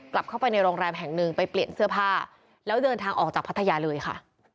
กลับเข้าไปในโรงแรมแห่งหนึ่งไปเปลี่ยนเสื้อผ้าแล้วเดินทางออกจากพัทยาเลยค่ะ